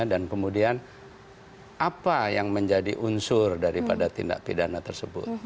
dan kemudian apa yang menjadi unsur daripada tindak pidana tersebut